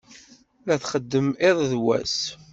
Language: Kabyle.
La txeddem iḍ d wass.